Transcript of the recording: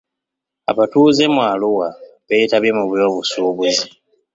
Abatuuze mu Arua beetabye mu by'obusuubuzi.